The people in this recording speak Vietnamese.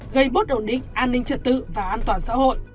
gây bớt đổ định an ninh trật tự và an toàn xã hội